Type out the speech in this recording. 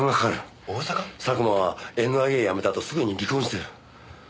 佐久間はＮＩＡ辞めたあとすぐに離婚してる。